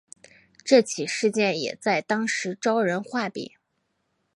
这起事件也在当时招人话柄。